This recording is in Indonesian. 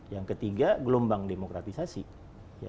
yang ketiga gelombang demokratisasi